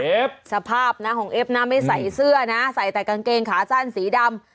สภาพนะของเอฟนะไม่ใส่เสื้อนะใส่แต่กางเกงขาสั้นสีดำ